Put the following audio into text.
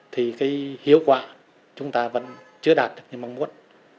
thì cái hiệu quả chúng ta vẫn chưa đạt được như mong muốn